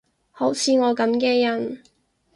好似我噉嘅人